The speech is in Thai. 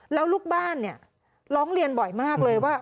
แล้วลูกบ้านเนี่ยร้องเรียนบ่อยมากเลยว่า